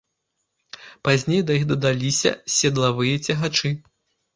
Пазней да іх дадаліся седлавыя цягачы.